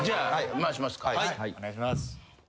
・お願いします。